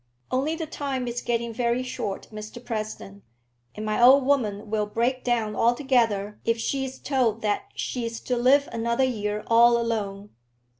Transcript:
"Only the time is getting very short, Mr President, and my old woman will break down altogether if she's told that she's to live another year all alone.